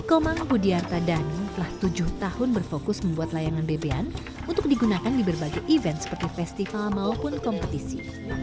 komang budiarta dhani telah tujuh tahun berfokus membuat layanan bebean untuk digunakan di berbagai event seperti festival maupun kompetisi